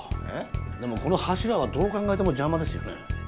でもこの柱はどう考えても邪魔ですよね？